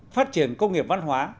phát triển công nghiệp văn hóa